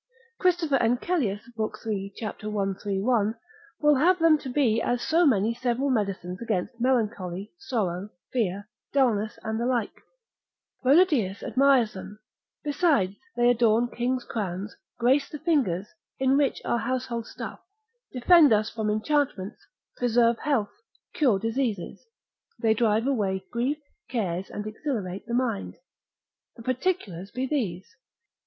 Christoph. Encelius, lib. 3. cap. 131. will have them to be as so many several medicines against melancholy, sorrow, fear, dullness, and the like; Renodeus admires them, besides they adorn kings' crowns, grace the fingers, enrich our household stuff, defend us from enchantments, preserve health, cure diseases, they drive away grief, cares, and exhilarate the mind. The particulars be these.